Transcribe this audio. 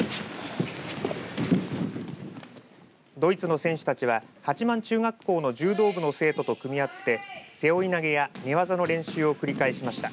ドイツの選手たちは八万中学校の柔道部の生徒と組み合って背負い投げや寝技の練習を繰り返しました。